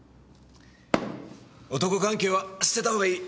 男関係は捨てたほうがいい。